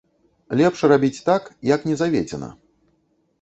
Лепш рабіць так, як не заведзена.